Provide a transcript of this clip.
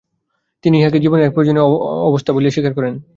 তিনি ইহাকে জীবনের এক প্রয়োজনীয় অবস্থা বলিয়া স্বীকার করেন।